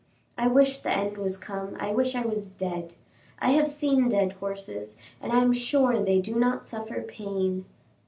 I wish the end was come, I wish I was dead. I have seen dead horses, and I am sure they do not suffer pain."